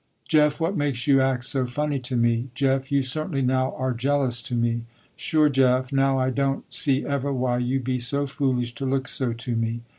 "Jeff what makes you act so funny to me. Jeff you certainly now are jealous to me. Sure Jeff, now I don't see ever why you be so foolish to look so to me."